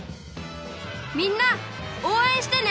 みんなおうえんしてね！